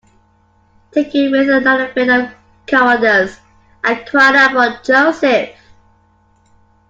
Taken with another fit of cowardice, I cried out for Joseph.